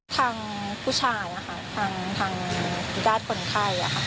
ทางผู้ชายค่ะทางด้านคนไข้ค่ะ